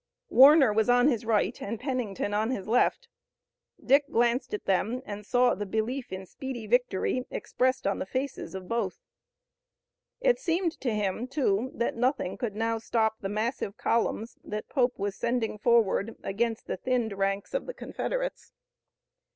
Warner was on his right and Pennington on his left. Dick glanced at them and he saw the belief in speedy victory expressed on the faces of both. It seemed to him, too, that nothing could now stop the massive columns that Pope was sending forward against the thinned ranks of the Confederates.